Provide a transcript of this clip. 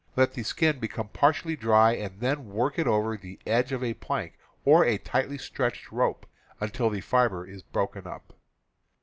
Let the skin become partially dry and then work it over the edge of a plank or a tightly stretched rope, until the fiber is broken up.